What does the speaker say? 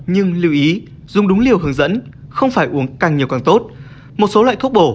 nhưng lưu ý dùng đúng liều hướng dẫn không phải uống càng nhiều càng tốt một số loại thuốc bổ